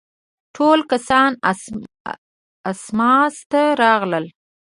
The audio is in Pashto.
ټول کسان اسماس ته راغلل.